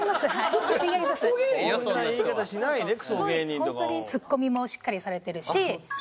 ホントにツッコミもしっかりされてるし。